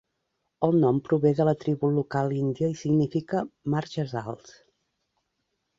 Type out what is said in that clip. El nom prové de la tribu local índia i significa marges alts.